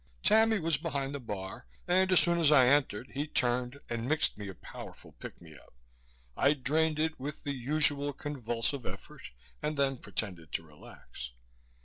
Tammy was behind the bar and as soon as I entered he turned and mixed me a powerful pick me up. I drained it with the usual convulsive effort and then pretended to relax.